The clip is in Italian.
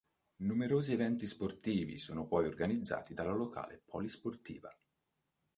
Numerosi eventi sportivi sono poi organizzati dalla locale polisportiva.